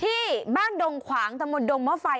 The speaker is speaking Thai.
ที่บ้านดงขวางตมดดงเมาะไฟ